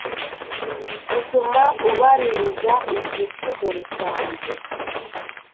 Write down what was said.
bituma ubaririza igicumuro cyanjye